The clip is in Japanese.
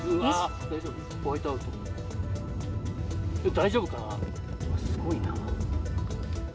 大丈夫かな。